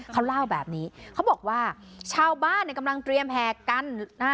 เขาเล่าแบบนี้เขาบอกว่าชาวบ้านเนี่ยกำลังเตรียมแห่กันนะ